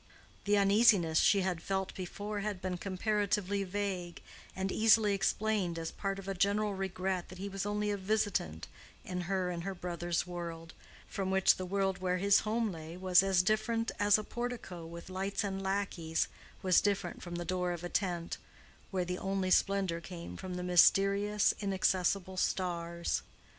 The uneasiness she had felt before had been comparatively vague and easily explained as part of a general regret that he was only a visitant in her and her brother's world, from which the world where his home lay was as different as a portico with lights and lacqueys was different from the door of a tent, where the only splendor came from the mysterious inaccessible stars.